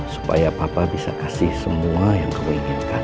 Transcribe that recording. supaya papa bisa kasih semua yang kau inginkan